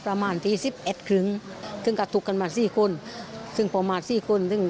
พวกมันคือก้นมา๔คนที่ประมาณ๑๑ครึ่ง